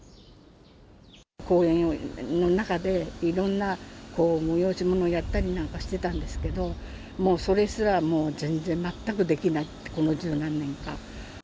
公園の中で、いろんな催し物をやったりなんかしてたんですけど、もうそれすら、全然全くできない、この十何年か。